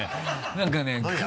何かね